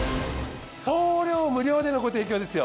送料無料でのご提供ですよ。